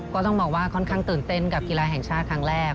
ก็ต้องบอกว่าค่อนข้างตื่นเต้นกับกีฬาแห่งชาติครั้งแรก